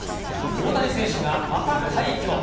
大谷選手がまた快挙。